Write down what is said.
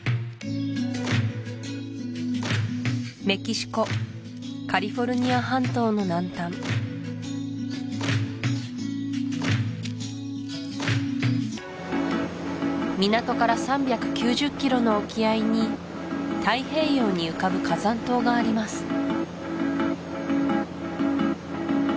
メキシコカリフォルニア半島の南端港から３９０キロの沖合に太平洋に浮かぶ火山島があります